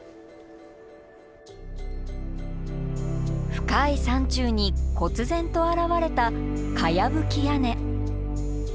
深い山中にこつ然と現れたかやぶき屋根。